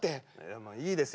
まあいいですよ。